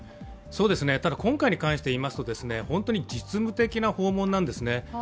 今回に関していいますと本当に実務的な訪問なんですね。